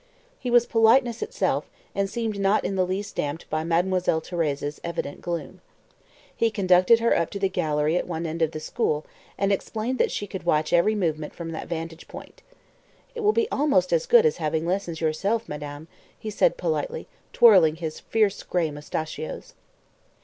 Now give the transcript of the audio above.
He was politeness itself, and seemed not in the least damped by Mademoiselle Thérèse's evident gloom. He conducted her up to the gallery at one end of the school, and explained that she could watch every movement from that vantage point. "It will be almost as good as having a lesson yourself, madame," he said politely, twirling his fierce gray mustachios.